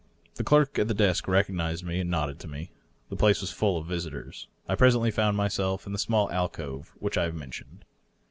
The clerk at the desk recognized me and nodded to me. The place was full of visitors. I presently found myself in the small alcove which I have mentioned.